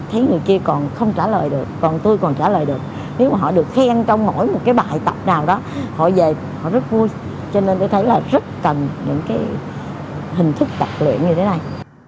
thấy người kia còn không trả lời được còn tôi còn trả lời được nếu mà họ được khen trong mỗi một cái bài tập nào đó họ về họ rất vui cho nên tôi thấy là rất cần những cái hình thức tập luyện như thế này